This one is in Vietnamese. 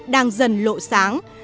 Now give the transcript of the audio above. đang dần lộ sáng